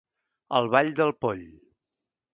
El ball del poll.